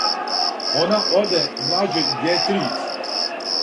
Она оде млађој јетрвици: